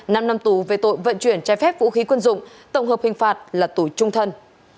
năm năm tù về tội vận chuyển trái phép vũ khí quân dụng tổng hợp hình phạt là tù trung thân